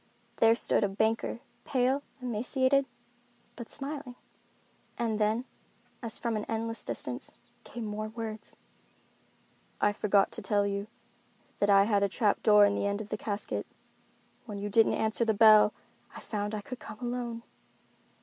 There stood the banker, pale, emaciated, but smiling. And then, as from an endless distance, came more words: "I forgot to tell you that I had a trap door in the end of the casket. When you didn't answer the bell, I found I could come alone."